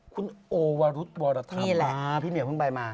คุณโอวรุตบรรทามพี่เหนือเพิ่งไปมา